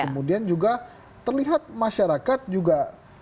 kemudian juga terlihat masyarakat juga